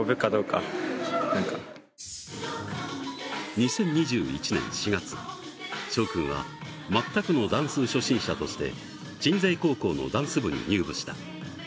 ２０２１年４月、しょう君は全くのダンス初心者として鎮西高校のダンス部に入部した。